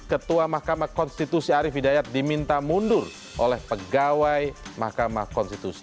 ketua mahkamah konstitusi arief hidayat diminta mundur oleh pegawai mahkamah konstitusi